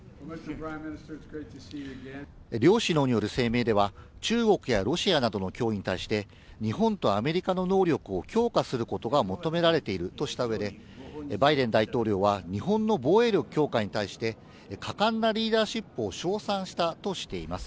両首脳による声明では、中国やロシアなどの脅威に対して、日本とアメリカの能力を強化することが求められているとしたうえで、バイデン大統領は日本の防衛力強化に対して、果敢なリーダーシップを称賛したとしています。